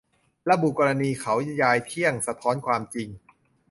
ระบุกรณีเขายายเที่ยง สะท้อนความจริง